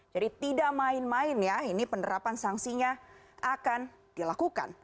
jadi tidak main main ya ini penerapan sanksinya akan dilakukan